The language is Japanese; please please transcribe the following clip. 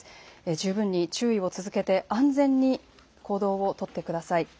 十分に注意を続けて安全に行動を取ってください。